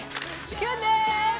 キュンです。